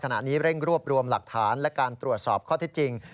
ขณะนี้เร่งรวบรวมหลักฐานและการตรวจสอบข้อเท็จจริง